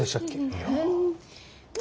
いや。